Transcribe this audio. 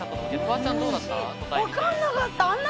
わかんなかった。